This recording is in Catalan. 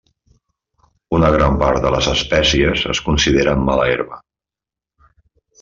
Una gran part de les espècies es consideren mala herba.